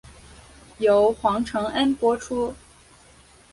由黄承恩播出。